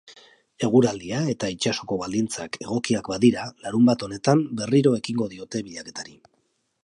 Eguraldia eta itsasoko baldintzak egokiak badira, larunbat honetan berriro ekingo diote bilaketari.